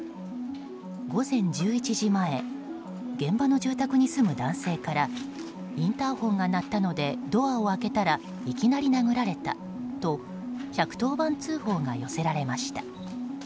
午前１１時前現場の住宅に住む男性からインターホンが鳴ったのでドアを開けたらいきなり殴られたと１１０番通報が寄せられました。